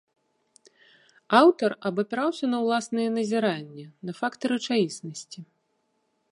Аўтар абапіраўся на ўласныя назіранні, на факты рэчаіснасці.